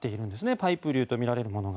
パイプ流とみられるものが。